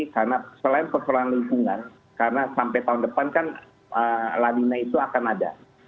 karena selain persoalan lingkungan karena sampai tahun depan kan lanina itu akan ada